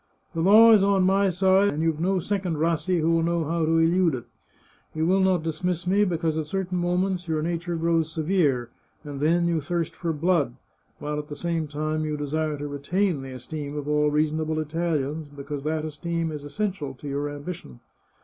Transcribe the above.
" The law is on my side, and you've no second Rassi who will know how to elude it. You will not dismiss me, be cause at certain moments your nature grows severe, and then you thirst for blood, while at the same time you desire to retain the esteem of all reasonable Italians, because that esteem is essential to your ambition.